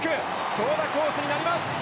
長打コースになります。